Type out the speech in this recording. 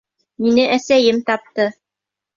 — Мине әсәйем тапты.